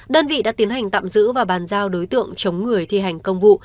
đơn vị đã tiến hành tạm giữ và bàn giao đối tượng chống người thi hành công vụ